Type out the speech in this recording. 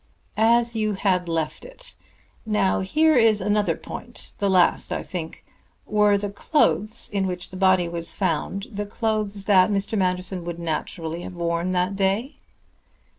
"As you had left it. Now here is another point the last, I think. Were the clothes in which the body was found the clothes that Mr. Manderson would naturally have worn that day?"